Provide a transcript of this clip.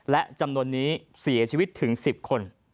และจำนวนนี้เสียชีวิตถึง๑๐คน